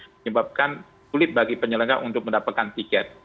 menyebabkan sulit bagi penyelenggara untuk mendapatkan tiket